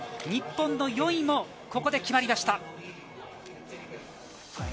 日本の４位もここで決まりました。